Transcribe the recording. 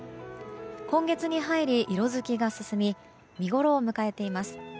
今月に入り色づきが進み見ごろを迎えています。